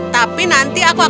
tapi nanti aku akan